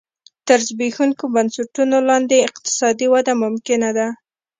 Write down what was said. تر زبېښونکو بنسټونو لاندې اقتصادي وده ممکنه ده